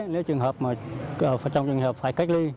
nếu trường hợp trong trường hợp phải cách ly